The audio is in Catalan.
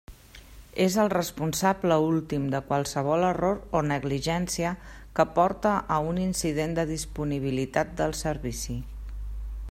És el responsable últim de qualsevol error o negligència que porte a un incident de disponibilitat del servici.